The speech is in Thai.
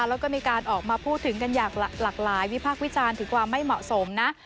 แล้วก็มีการออกมาพูดถึงกันอย่างหลากหลายวิพากษ์วิจารณ์ถึงความไม่เหมาะสมนะ